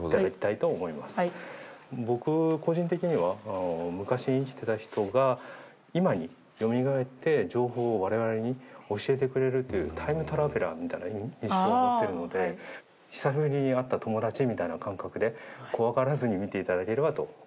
僕個人的には昔生きてた人が今によみがえって情報を我々に教えてくれるというタイムトラベラーみたいな認識を持ってるので久しぶりに会った友達みたいな感覚で怖がらずに見ていただければと思います。